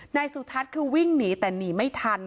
นายสุทัศน์คือวิ่งหนีแต่หนีไม่ทัน